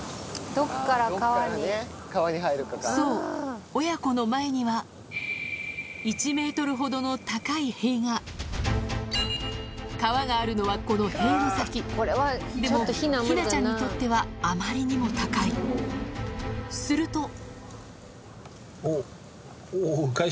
そう親子の前には川があるのはこの塀の先でもヒナちゃんにとってはあまりにも高いするとおっおぉ。